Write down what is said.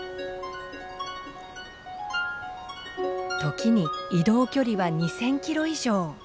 時に移動距離は２，０００キロ以上。